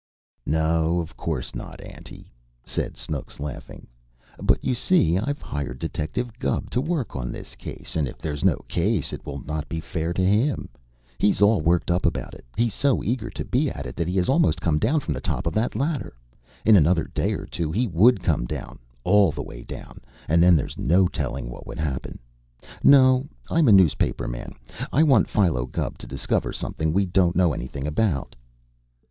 "No, of course not, auntie," said Snooks, laughing. "But you see, I've hired Detective Gubb to work on this case, and if there's no case, it will not be fair to him. He's all worked up about it. He's so eager to be at it that he has almost come down from the top of that ladder. In another day or two he would come all the way down, and then there's no telling what would happen. No, I'm a newspaper man. I want Philo Gubb to discover something we don't know anything about."